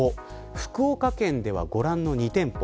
福岡県ではご覧の２店舗。